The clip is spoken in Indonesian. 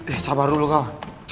eh sabar dulu kau